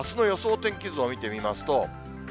天気図を見てみますと。